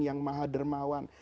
yang maha dermawan